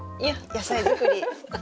野菜作り。